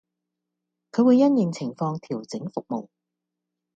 佢會因應情況調整服務